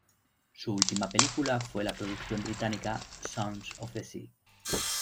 Su última película fue la producción británica "Sons of the Sea".